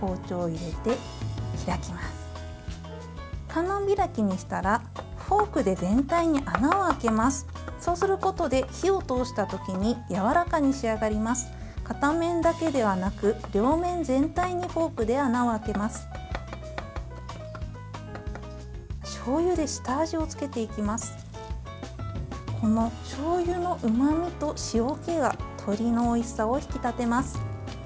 このしょうゆのうまみと塩気が鶏のおいしさを引き立てます。